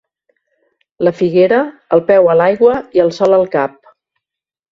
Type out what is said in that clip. La figuera, el peu a l'aigua i el sol al cap.